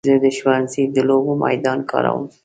زه د ښوونځي د لوبو میدان کاروم.